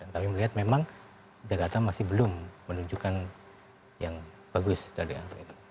kami melihat memang jakarta masih belum menunjukkan yang bagus dari angka itu